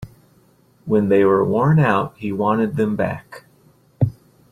When they were worn out, he wanted them back.